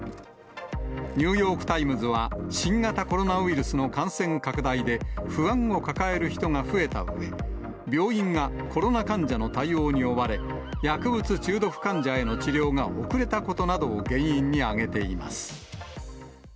ニューヨークタイムズは、新型コロナウイルスの感染拡大で、不安を抱える人が増えたうえ、病院がコロナ患者の対応に追われ、薬物中毒患者への治療が遅れたことなどを原因に挙げています。